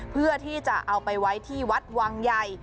เพื่อที่จะเอาไปไว้ที่วัดวังใหญ่